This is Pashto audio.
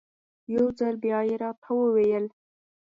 یو ځل بیا یې راته وویل.